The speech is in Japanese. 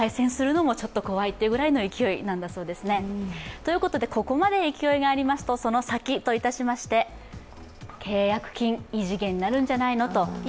ということでここまで勢いがありますと、そのサキ契約金、異次元になるんじゃないのと。